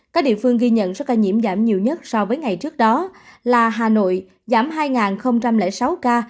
các địa phương ghi nhận số ca nhiễm giảm nhiều nhất so với ngày trước đó là hà nội giảm hai sáu ca